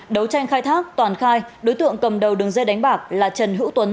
đấu tranh khai thác toàn khai đối tượng cầm đầu đường dây đánh bạc là trần hữu tuấn